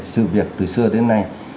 sự việc từ xưa đến nay